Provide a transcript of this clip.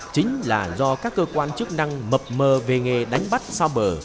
chính là do các cơ quan chức năng mập mờ về nghề đánh bắt xa bờ